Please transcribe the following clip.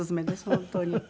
本当に。